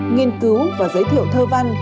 nghiên cứu và giới thiệu thơ văn